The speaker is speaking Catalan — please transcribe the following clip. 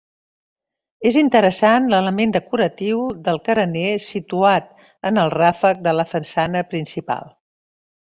És interessant l'element decoratiu del carener situat en el ràfec de la façana principal.